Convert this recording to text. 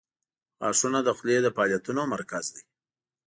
• غاښونه د خولې د فعالیتونو مرکز دي.